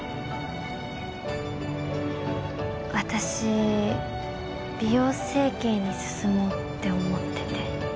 私美容整形に進もうって思ってて。